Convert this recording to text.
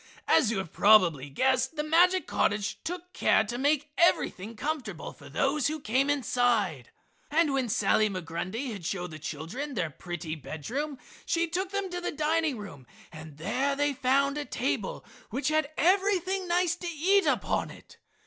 As you have probably guessed, the magic cottage took care to make everything comfortable for those who came inside. And when Sally Migrundy had shown the children their pretty bed room she took them to the dining room and there they found a table which had everything nice to eat upon it.